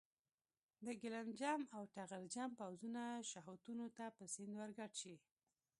د ګیلم جم او ټغر جم پوځونه شهوتونو په سیند ورګډ شي.